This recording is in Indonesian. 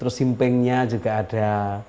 terus simpengnya juga ada